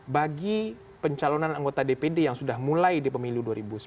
bagi pencalonan anggota dpd yang sudah mulai di pemilu dua ribu sembilan belas